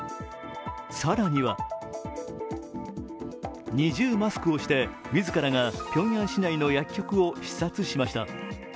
更には二重マスクをして自らがピョンヤン市内の薬局を視察しました。